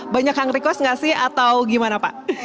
banyak yang request nggak sih atau gimana pak